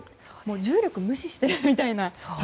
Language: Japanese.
重力無視してるみたいな。